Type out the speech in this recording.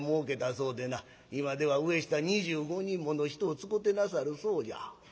今では上下２５人もの人を使てなさるそうじゃ」。